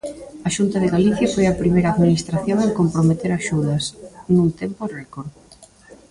A Xunta de Galicia foi a primeira administración en comprometer axudas, nun tempo récord.